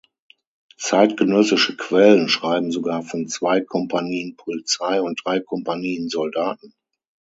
Zeitgenössische Quellen schreiben sogar von zwei Kompanien Polizei und drei Kompanien Soldaten.